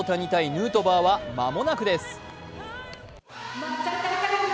ヌートバーは間もなくです。